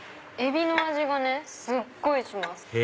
エビの味がすっごいします。